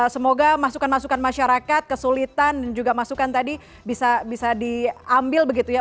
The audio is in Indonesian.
semoga masukan masukan masyarakat kesulitan dan juga masukan tadi bisa diambil begitu ya